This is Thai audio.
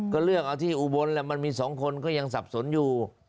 ก็เลือกเอาที่อุบลแล้วมันมี๒คนก็ยังสับสนอยู่